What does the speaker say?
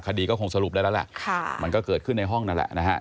คดีก็คงสรุปได้แล้วแหละมันก็เกิดขึ้นในห้องนั่นแหละนะฮะ